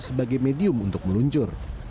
sebagai medium untuk meluncur